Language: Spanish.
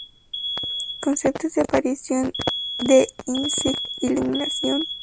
Conceptos de aparición de insight-iluminación.